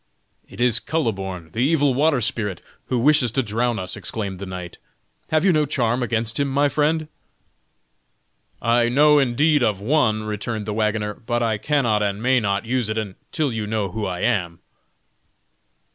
"It is Kuhleborn, the evil water spirit, who wishes to drown us!" exclaimed the knight. "Have you no charm, against him, my friend?" "I know indeed of one," returned the wagoner, "but I cannot and may not use it until you know who I am."